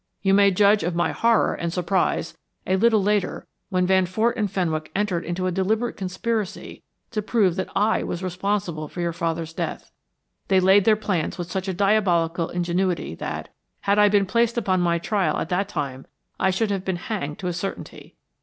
You may judge of my horror and surprise a little later when Van Fort and Fenwick entered into a deliberate conspiracy to prove that I was responsible for your father's death. They laid their plans with such a diabolical ingenuity that, had I been placed upon my trial at that time, I should have been hanged to a certainty.